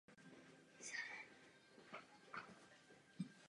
Toto jsou některé z argumentů, na základě kterých jsem hlasovala.